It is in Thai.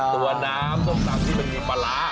ตัวน้ำส้มตำที่มันมีปลาร้า